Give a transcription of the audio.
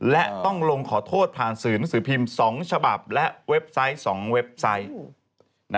และต้องลงขอโทษผ่านสื่อหนังสือพิมพ์๒ฉบับและเว็บไซต์๒เว็บไซต์